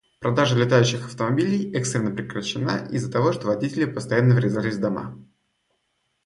Продажа летающих автомобилей экстренно прекращена из-за того, что водители постоянно врезались в дома.